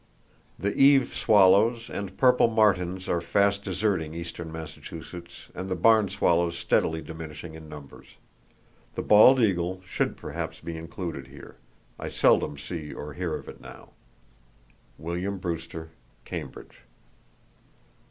The eave swallows and purple martins are fast deserting eastern Massachusetts and the barn swallows steadily diminishing in numbers. The bald eagle should perhaps be included here. I seldom see or hear of it now.—(William Brewster, Cambridge.)